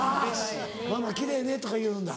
「ママ奇麗ね」とか言うんだ。